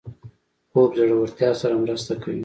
خوب د زړورتیا سره مرسته کوي